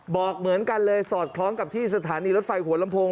บอกเหมือนกันเลยสอดคล้องกับที่สถานีรถไฟหัวลำโพง